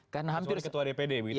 soalnya ketua dpd